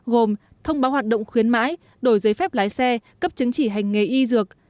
gồm thông báo hoạt động khuyến mãi đổi giấy phép lái xe cấp chứng chỉ hành nghề y dược